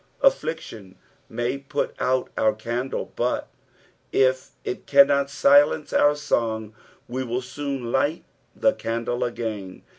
Affliction may put out our candle, but if it cannot silence nur song we will soon light the candle again.